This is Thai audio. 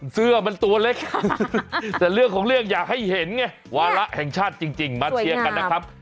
เสื้อมันตัวเล็กแต่เรื่องของเรื่องอยากให้เห็นไงวาระแห่งชาติจริงมาเชียร์กันนะครับ